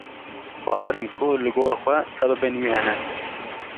Bawerim ku li gor xwe sebebên wî hene.